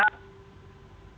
kekanan ekonomi juga